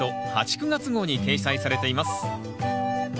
９月号に掲載されています。